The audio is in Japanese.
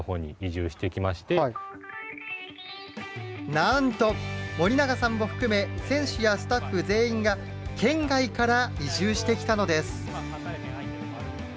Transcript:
なんと、森永さんを含め選手やスタッフ全員が、県外から移住してきたのです。